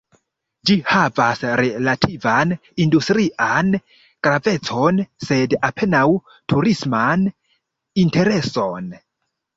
Ĝi havas relativan industrian gravecon, sed apenaŭ turisman intereson.